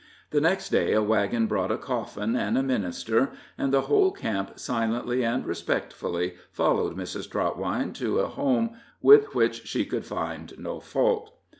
The next day a wagon brought a coffin and a minister, and the whole camp silently and respectfully followed Mrs. Trotwine to a home with which she could find no fault.